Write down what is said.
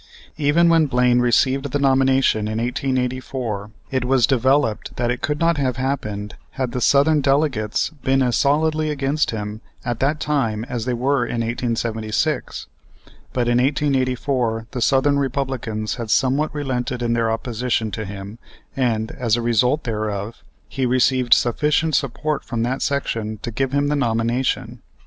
Even when Blaine received the nomination in 1884 it was developed that it could not have happened had the Southern delegates been as solidly against him at that time as they were in 1876. But by 1884 the Southern Republicans had somewhat relented in their opposition to him, and, as a result thereof, he received sufficient support from that section to give him the nomination.